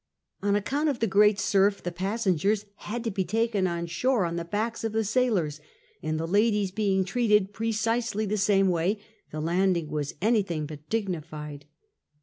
On account of the great surf, the pas sengers had to be taken on shore on the backs of the sailors, and the ladies being treated precisely the same way, the landing was anything but dignified.